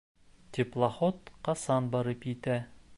Теплоход ҡасан барып етә?